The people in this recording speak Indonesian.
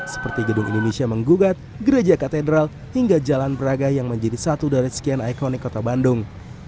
seperti gedung indonesia menggugat gereja katedral hingga jalan braga yang menjadi satu dari sekian ikonik kota bandung